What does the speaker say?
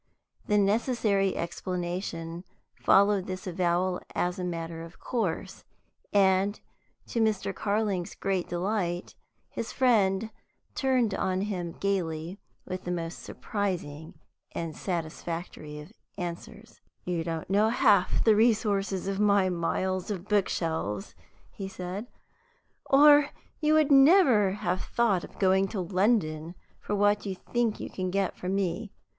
The necessary explanation followed this avowal as a matter of course, and, to Mr. Carling's great delight, his friend turned on him gayly with the most surprising and satisfactory of answers: "You don't know half the resources of my miles of bookshelves," he said, "or you would never have thought of going to London for what you can get from me.